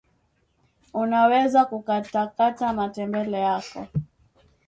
unaweza kukatakata matembele yako